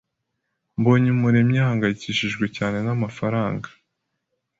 Mbonyumuremyi ahangayikishijwe cyane n'amafaranga.